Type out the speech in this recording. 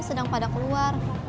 sedang pada keluar